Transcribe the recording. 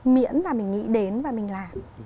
miễn là mình nghĩ đến và mình làm